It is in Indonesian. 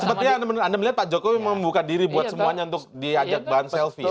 sepertinya anda melihat pak jokowi membuka diri buat semuanya untuk diajak bahan selfie